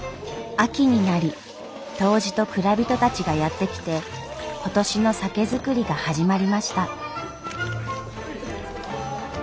秋になり杜氏と蔵人たちがやって来て今年の酒造りが始まりました。